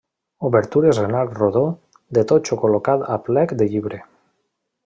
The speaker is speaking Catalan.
Obertures en arc rodó, de totxo col·locat a plec de llibre.